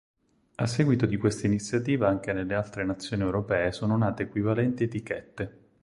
A seguito di questa iniziativa anche nelle altre nazioni europee sono nate equivalenti etichette.